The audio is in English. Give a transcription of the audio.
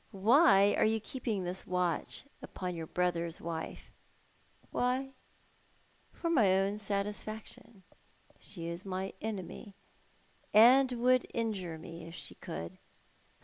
"Why are you keeping this watch upon your l)rother's wife ?"" Why ? For my own satisfaction. She is my enemy, and would injure me if she could."